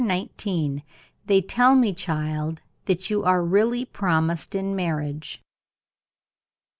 CHAPTER XX. "THEY TELL ME, CHILD, THAT YOU ARE REALLY PROMISED IN MARRIAGE."